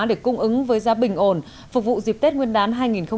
để cung ứng với gia bình ổn phục vụ dịp tết nguyên đán hai nghìn một mươi tám